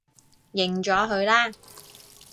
認咗佢啦